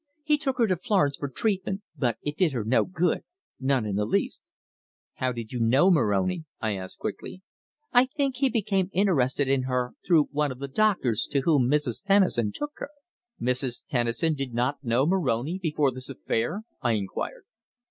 He took her to Florence for treatment, but it did her no good none in the least." "How did you know Moroni?" I asked quickly. "I think he became interested in her through one of the doctors to whom Mrs. Tennison took her." "Mrs. Tennison did not know Moroni before this affair?" I inquired.